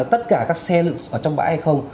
tất cả các xe ở trong bãi hay không